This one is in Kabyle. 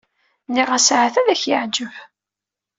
Nniɣ-as ahat ad k-yeɛǧeb.